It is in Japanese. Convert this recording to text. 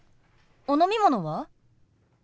お飲み物は？